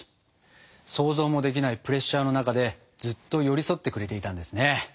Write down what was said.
想像もできないプレッシャーの中でずっと寄り添ってくれていたんですね。